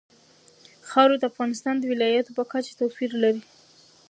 خاوره د افغانستان د ولایاتو په کچه توپیر لري.